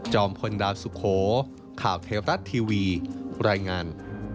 พลดาวสุโขข่าวเทวรัฐทีวีรายงาน